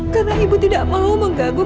karena ibu tidak mau menggaguh